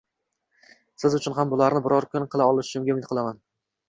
Siz uchun ham bularni biror kun qila olishimga umid qilaman.